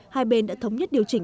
hai bên đã thống nhất điều chỉnh